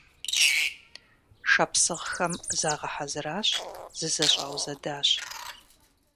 Шапсыгъхэм загъэхьэзыращ, зызэщӀаузэдащ.